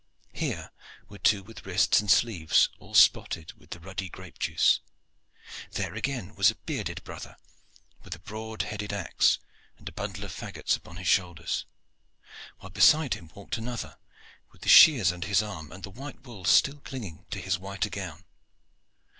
Here were two with wrists and sleeves all spotted with the ruddy grape juice. There again was a bearded brother with a broad headed axe and a bundle of faggots upon his shoulders, while beside him walked another with the shears under his arm and the white wool still clinging to his whiter gown.